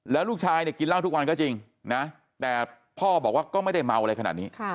แล้วลูกชายเนี่ยกินเหล้าทุกวันก็จริงนะแต่พ่อบอกว่าก็ไม่ได้เมาอะไรขนาดนี้